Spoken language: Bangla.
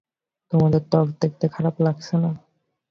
তোমার ত্বক দেখতে খারাপ লাগছে না।